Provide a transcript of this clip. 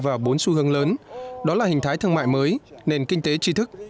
vào bốn xu hướng lớn đó là hình thái thương mại mới nền kinh tế tri thức